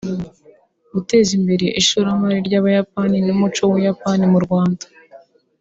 guteza imbere ishoramari ry’Abayapani n’umuco w’u Buyapani mu Rwanda